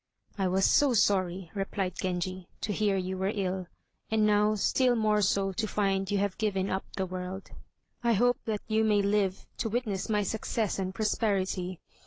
"I was so sorry," replied Genji, "to hear you were ill, and now still more so to find you have given up the world. I hope that you may live to witness my success and prosperity.